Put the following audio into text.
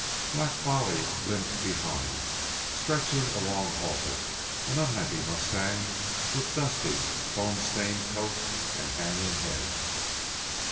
Black Bolly limped behind, stretching a long halter, an unhappy mustang with dusty, foam stained coat and hanging head.